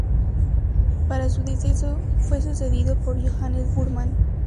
Para su deceso, fue sucedido por Johannes Burman.